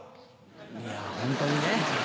いやホントにね。